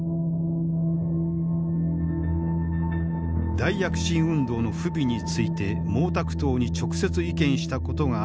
大躍進運動の不備について毛沢東に直接意見したことがあった李鋭。